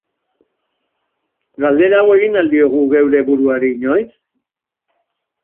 Galdera hau egin al diogu geure buruari inoiz?